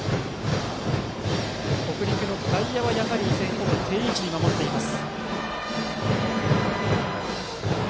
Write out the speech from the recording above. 北陸の外野は依然ほぼ定位置で守っています。